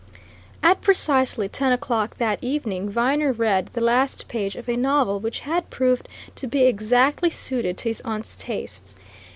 At precisely ten o'clock that evening Viner read the last page of a novel which had proved to be exactly suited to his aunt's tastes.